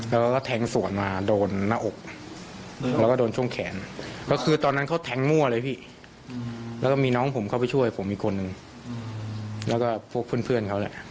เรากับฝั่งเต๋าก็ไม่เคยมีปัญหากันมาก่อน